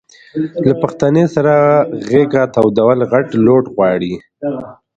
له پښتنې سره غېږه تودول غټ لوټ غواړي.